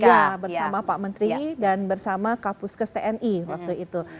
iya bersama pak menteri dan bersama kak puskes tni waktu itu